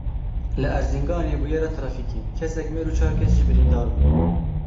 Li Erzînganê bûyera trafîkê, kesek mir û çar kes jî birîndar bûn.